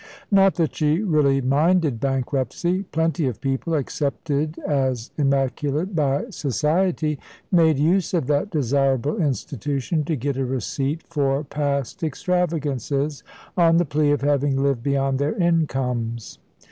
Not that she really minded bankruptcy. Plenty of people, accepted as immaculate by society, made use of that desirable institution to get a receipt for past extravagances, on the plea of having lived beyond their incomes.